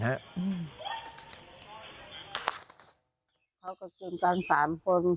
เขากลุ่มกัน๓คน